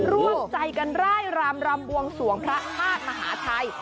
ร่วมใจกันร่ายรำรำบวงสวงพระธาตุมหาชัย